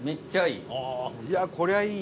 いやこりゃいいや。